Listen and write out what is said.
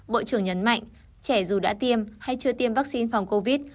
bộ trưởng nhấn mạnh trẻ dù đã tiêm hay chưa tiêm vaccine phòng covid